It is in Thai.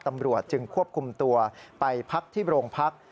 ตำรวจจึงควบคุมตัวไปพักที่โรงพัก